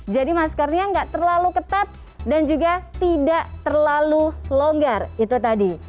jadi maskernya enggak terlalu ketat dan juga tidak terlalu longgar itu tadi